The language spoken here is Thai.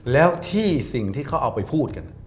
แล้วที่สิ่งที่เขาเอาไปพูดกัน